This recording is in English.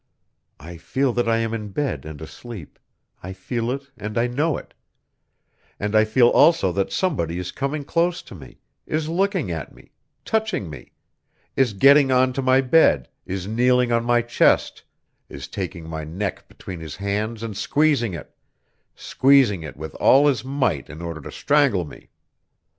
I feel that I am in bed and asleep I feel it and I know it and I feel also that somebody is coming close to me, is looking at me, touching me, is getting on to my bed, is kneeling on my chest, is taking my neck between his hands and squeezing it squeezing it with all his might in order to strangle me.